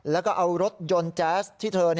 แล้วก็เอารถยนต์แจ๊สที่เธอ